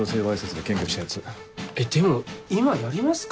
でも今やりますか？